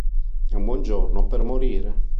È un buon giorno per morire!